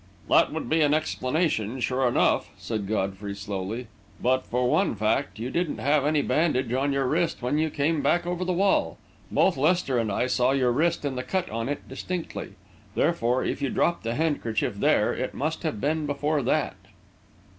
"That would be an explanation, sure enough," said Godfrey, slowly, "but for one fact you didn't have any bandage on your wrist when you came back over the wall. Both Lester and I saw your wrist and the cut on it distinctly. Therefore, if you dropped the handkerchief there, it must have been before that."